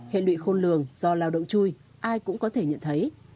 hệ lụy khôn lường do lao động chui ai cũng có thể nhận thấy